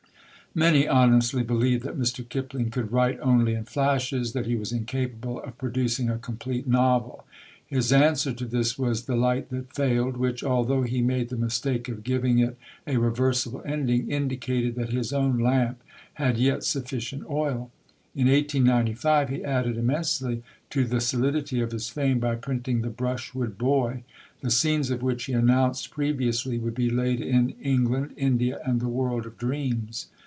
Many honestly believed that Mr. Kipling could write only in flashes; that he was incapable of producing a complete novel. His answer to this was The Light that Failed, which, although he made the mistake of giving it a reversible ending, indicated that his own lamp had yet sufficient oil. In 1895 he added immensely to the solidity of his fame by printing The Brushwood Boy, the scenes of which he announced previously would be laid in "England, India, and the world of dreams."